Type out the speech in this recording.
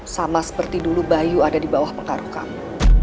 sama seperti dulu bayu ada di bawah pengaruh kamu